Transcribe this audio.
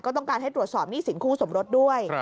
ต้องการให้ตรวจสอบหนี้สินคู่สมรสด้วย